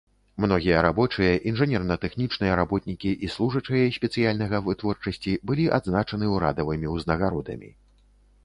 Многія рабочыя, інжынерна-тэхнічныя работнікі і служачыя спецыяльнага вытворчасці былі адзначаны ўрадавымі ўзнагародамі.